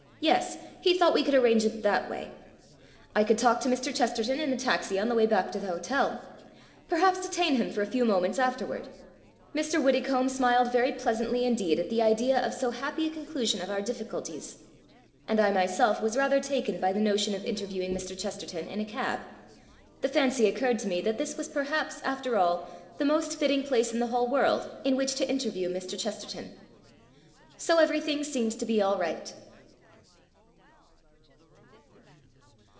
Yes, he thought we could arrange it that way. I could talk to Mr. Chesterton in the taxi on the way back to the hotel. Perhaps detain him for a few moments afterward. Mr. Widdecombe smiled very pleasantly indeed at the MURRAY HILL SEES MR. CHESTERTON 28 idea of so happy a solution of our diffi culties. And I myself was rather taken by the notion of interviewinir Mr. Chesterton in a cab. The fancy occurred to me that this was perhaps after all the most fitting place in the whole world in which to interview Mr. Chesterton. So everything seems to be all right.